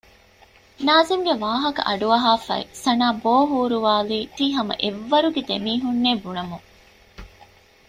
ނާޒިމްގެ ވާހަކަ އަޑުއަހާފައި ސަނާ ބޯހޫރާލީ ތީ ހަމަ އެއްވަރުގެ ދެމީހުންނޭ ބުނަމުން